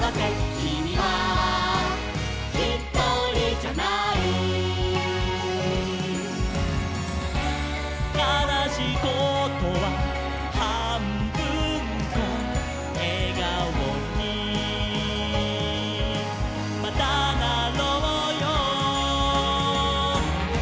「きみはひとりじゃない」「かなしいことははんぶんこ」「笑顔にまたなろうよ」